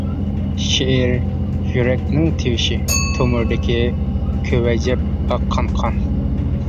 شېئىر يۈرەكنىڭ تىۋىشى، تومۇردىكى كۆۋەجەپ ئاققان قان.